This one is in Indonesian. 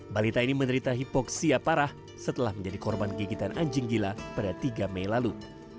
balita ini menderita hipoksia parah setelah menjadi korban gigitan anjing gila pada tiga mei lalu